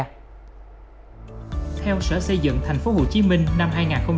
theo sở xây dựng thành phố hồ chí minh năm hai nghìn hai mươi hai